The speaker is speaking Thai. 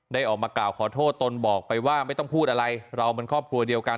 ได้ออกมากล่าวขอโทษตนบอกไปว่าไม่ต้องพูดอะไรเรามันครอบครัวเดียวกัน